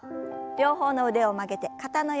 両方の腕を曲げて肩の横へ。